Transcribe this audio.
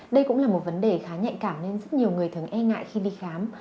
đây cũng là một vấn đề khá nhạy cảm nên rất nhiều người thường e ngại khi đi khám